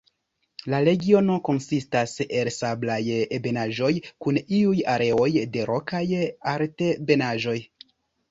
La regiono konsistas el sablaj ebenaĵoj kun iuj areoj de rokaj altebenaĵoj.